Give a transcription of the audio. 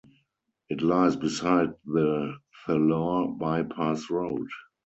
It lies beside the Thalore bypass road.